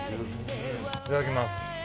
いただきます。